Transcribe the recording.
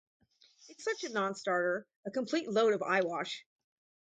It's such a non-starter, a complete load of eyewash.